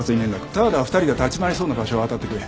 多和田は２人が立ち回りそうな場所を当たってくれ。